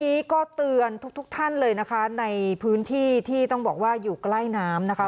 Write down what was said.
นี้ก็เตือนทุกทุกท่านเลยนะคะในพื้นที่ที่ต้องบอกว่าอยู่ใกล้น้ำนะคะ